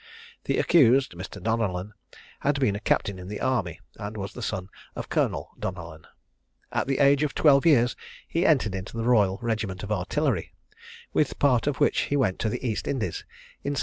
The accused, Mr. Donellan, had been a captain in the army, and was the son of Colonel Donellan. At the age of twelve years he entered into the Royal Regiment of Artillery, with part of which he went to the East Indies in 1754.